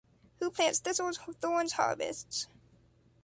Who plants thistles, thorns harvests.